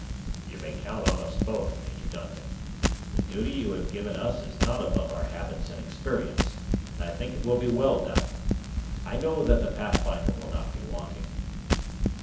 "You may count on us both, Major Duncan. The duty you have given us is not above our habits and experience, and I think it will be well done. I know that the Pathfinder will not be wanting."